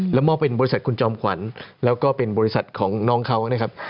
แล้วมอบเป็นบริษัทคุณจอมขวัญแล้วก็เป็นบริษัทของน้องเขานะครับ